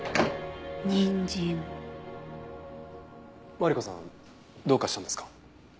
マリコさんどうかしたんですか？